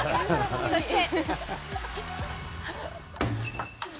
そして。